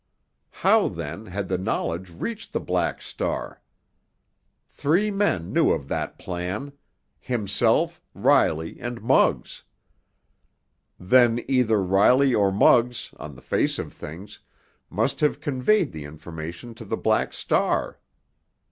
How, then, had the knowledge reached the Black Star? Three men knew of that plan—himself, Riley, and Muggs. Then either Riley or Muggs, on the face of things, must have conveyed the information to the Black Star.